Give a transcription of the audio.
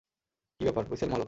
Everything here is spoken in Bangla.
কী ব্যাপার, হুইসেল মহালক্ষী?